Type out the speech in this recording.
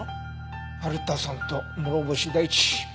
春田さんと諸星大地。